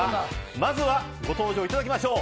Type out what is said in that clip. まずはご登場いただきましょう。